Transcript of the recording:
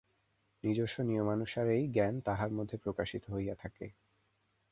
নিজস্ব নিয়মানুসারেই জ্ঞান তাহার মধ্যে প্রকাশিত হইয়া থাকে।